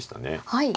はい。